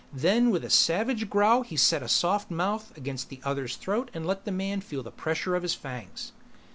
Then with a savage growl he set a soft mouth against the other's throat and let the man feel the pressure of his fangs.